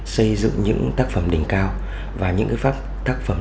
xây dựng những tác phẩm đỉnh cao và những tác phẩm